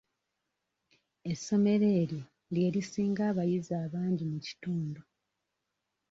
Essomero eryo lye lisinga abayizi abangi mu kitundu.